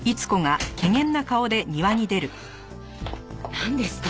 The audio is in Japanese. なんですか？